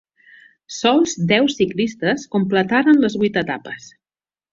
Sols deu ciclistes completaren les vuit etapes.